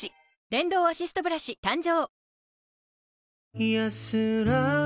電動アシストブラシ誕生